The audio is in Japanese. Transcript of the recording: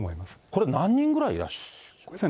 これ、何人くらいいらっしゃった？